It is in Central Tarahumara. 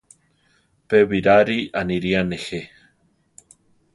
Pe Birari aniría nejé.